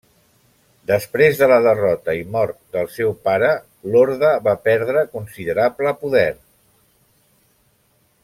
Després de la derrota i mort del seu pare l'Horda va perdre considerable poder.